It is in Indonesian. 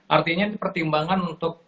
artinya pertimbangan untuk